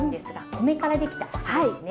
米からできたお酢ですね。